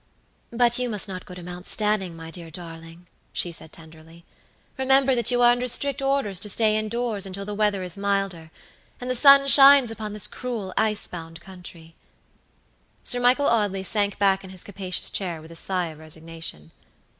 "But you must not go to Mount Stanning, my dear darling," she said, tenderly. "Remember that you are under strict orders to stay in doors until the weather is milder, and the sun shines upon this cruel ice bound country." Sir Michael Audley sank back in his capacious chair with a sigh of resignation.